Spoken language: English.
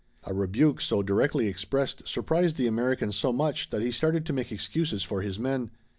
A rebuke so directly expressed surprised the American so much that he started to make excuses for his men.